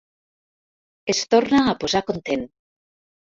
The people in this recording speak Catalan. Es torna a posar content.